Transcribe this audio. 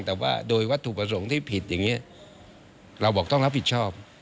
แต่ว่าโดยวัตถุประสงค์ที่ผิดอย่างนี้เราบอกต้องรับผิดชอบ